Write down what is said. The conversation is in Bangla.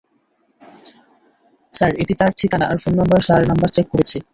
স্যার এটি তার ঠিকানা আর phone number sir number check করেছি।